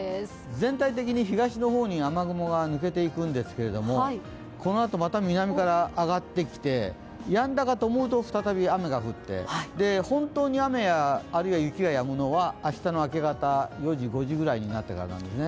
全体的に東の方に雨雲が抜けていくんですけれどもこのあとまた南から上がってきてやんだかと思うと再び雨が降って本当に雨、雪がやむのは明日の明け方、４時、５時ぐらいになってからなんですね。